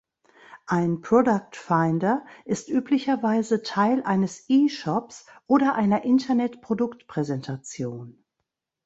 Ein Product Finder ist üblicherweise Teil eines E-Shops oder einer Internet-Produktpräsentation.